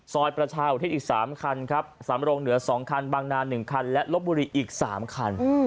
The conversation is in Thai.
ซอยประชาอุทิศอีก๓คันครับสำรงเหนือ๒คันบางนา๑คันและลบบุรีอีก๓คัน